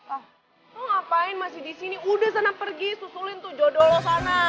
ah lo ngapain masih disini udah sana pergi susulin tuh jodoh lo sana